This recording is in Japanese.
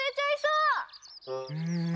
うん。